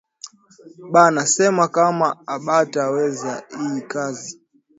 Bana sema kama abata weza iyi kazi